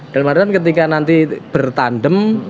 dalam artian ketika nanti bertandem